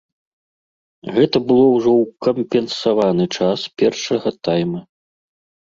Гэта было ўжо ў кампенсаваны час першага тайма.